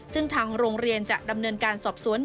ซึ่งทางโรงเรียนจะดำเนินการสอบสวน